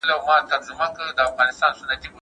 که باران ونه وریږي نو موږ به پټي ته ولاړ سو.